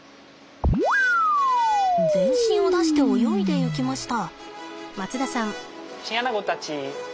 全身を出して泳いでいきました。